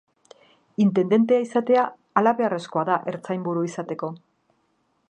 Intendente izatea halabeharrezkoa da ertzainburu izateko.